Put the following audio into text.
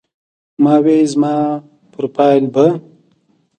ما وې زما پروفائيل به